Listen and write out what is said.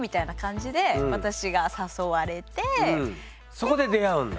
そこで出会うんだ。